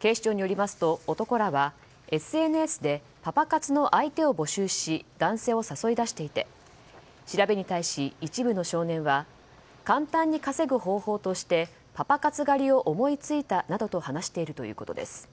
警視庁によりますと男らはＳＮＳでパパ活の相手を募集し男性を誘い出していて調べに対し、一部の少年は簡単に稼ぐ方法としてパパ活狩りを思いついたなどと話しているということです。